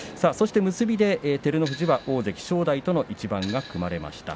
結びで照ノ富士は大関正代との一番が組まれました。